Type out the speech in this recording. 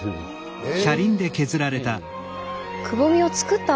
へえ。